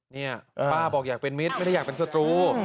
นี่ป้าบอกอยากเป็นมิตรไม่ได้อยากเป็นศัตรู